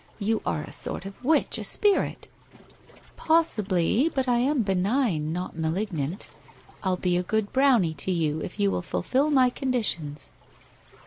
You are a sort of witch — a spirit.' ' Possibly, but I am benign, not malignant. I'll be a good Brownie to you if you will fulfil my conditions.'